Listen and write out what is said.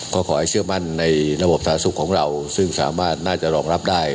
ก็ขอให้เชื่อมั่นในระบบสาธารณสุขของเราซึ่งสามารถน่าจะรองรับได้